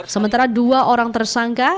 sementara dua orang tersangka